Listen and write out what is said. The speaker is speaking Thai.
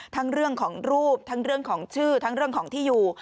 ทั้งเรื่องของรูปทั้งเรื่องของชื่อทั้งเรื่องของที่อยู่